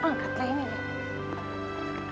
angkatlah ini nek